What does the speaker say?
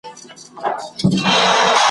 په امریکا او هم په نړۍ کي ځان مشهور کړ ,